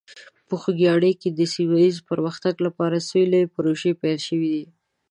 په خوږیاڼي کې د سیمه ایز پرمختګ لپاره څو لویې پروژې پیل شوي دي.